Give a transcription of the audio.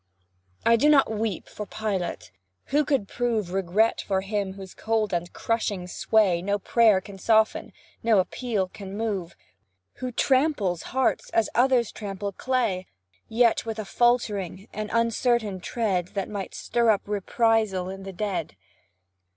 I do not weep for Pilate who could prove Regret for him whose cold and crushing sway No prayer can soften, no appeal can move: Who tramples hearts as others trample clay, Yet with a faltering, an uncertain tread, That might stir up reprisal in the dead.